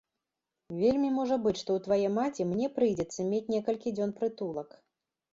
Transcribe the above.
Вельмі можа быць, што ў твае маці мне прыйдзецца мець некалькі дзён прытулак.